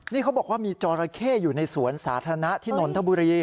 นี่เขาบอกว่ามีจอราเข้อยู่ในสวนสาธารณะที่นนทบุรี